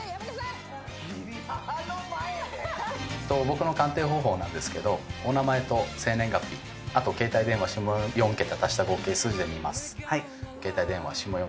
僕の鑑定方法ですけどお名前と生年月日あと携帯電話下４桁足した合計数字で見ます。